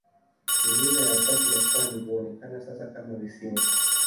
Milima ya safu ya pwani huonekana sasa kama visiwa.